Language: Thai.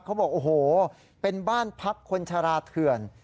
เขาบอกโอ้โหเป็นบ้านพักคนชะลาเถื่อน